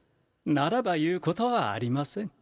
ならば言うことはありません。